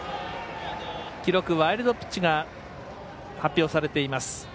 記録ワイルドピッチが発表されています。